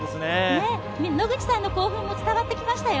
野口さんの興奮も伝わってきましたよ。